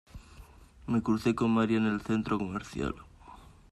Me crucé con María en el centro comercial